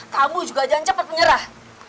kamu juga jangan cepat menyerah